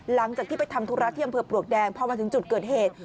หลังจากที่ไปทำธุระที่อำเภอปลวกแดงพอมาถึงจุดเกิดเหตุ